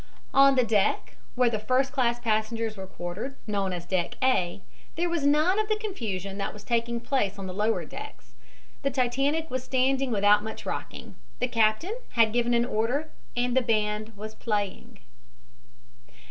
On the deck where the first class passengers were quartered, known as deck A, there was none of the confusion that was taking place on the lower decks. The Titanic was standing without much rocking. The captain had given an order and the band was playing.